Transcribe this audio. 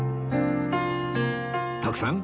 徳さん